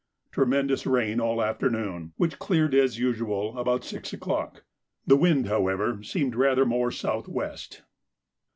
Tremendous rain all the afternoon, which cleared as usual about six o'clock. The wind, however, seemed rather more south west.